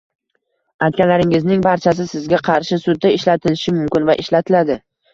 Aytganlaringizning barchasi sizga qarshi sudda ishlatilishi mumkin va ishlatiladi».